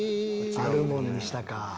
あるものにしたか。